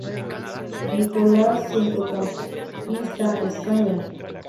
Nicolás Centrocampista España.